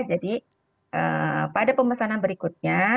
jadi pada pemesanan berikutnya